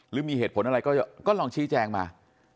หรือมีเหตุผลอะไรก็ลองชี้แจงมา